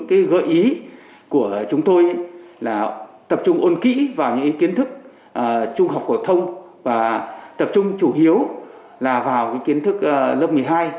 cái gợi ý của chúng tôi là tập trung ôn kỹ vào những kiến thức trung học phổ thông và tập trung chủ yếu là vào cái kiến thức lớp một mươi hai